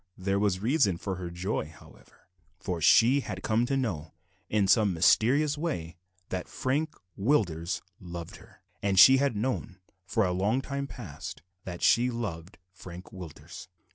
There was reason for her joy, however, for she had come to know, in some mysterious way, that Frank Willders loved her; and she had known, for a long time past, that she loved Frank Willders.